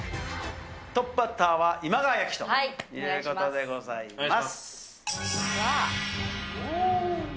トップバッターは今川焼きということでございます。